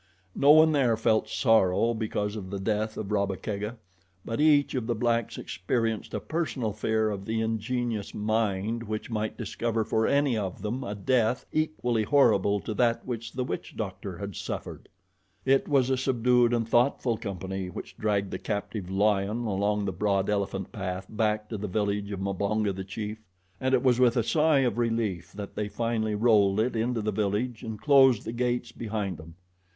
No one there felt sorrow because of the death of Rabba Kega; but each of the blacks experienced a personal fear of the ingenious mind which might discover for any of them a death equally horrible to that which the witch doctor had suffered. It was a subdued and thoughtful company which dragged the captive lion along the broad elephant path back to the village of Mbonga, the chief. And it was with a sigh of relief that they finally rolled it into the village and closed the gates behind them.